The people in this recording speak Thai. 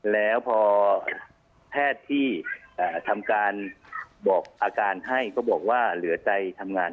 แล้วพอแพทย์ที่ทำการบอกอาการให้ก็บอกว่าเหลือใจทำงาน